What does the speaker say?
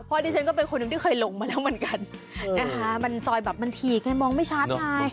เพราะดิฉันก็เป็นคนหนึ่งที่เคยหลงมาแล้วเหมือนกันนะคะมันซอยแบบมันถี่ไงมองไม่ชัดไง